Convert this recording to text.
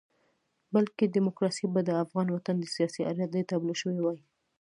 بلکې ډیموکراسي به د افغان وطن د سیاسي ارادې تابلو شوې وای.